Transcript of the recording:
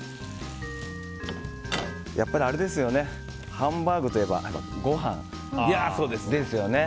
ハンバーグといえばご飯ですよね。